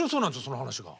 その話が。